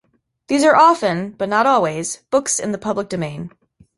These are often, but not always, books in the public domain.